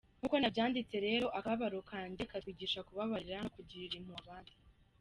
Nk’uko nabyanditse rero, akababaro kajye katwigisha kubabarira no kugirira impuhwe abandi.